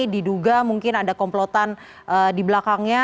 diduga mungkin ada komplotan di belakangnya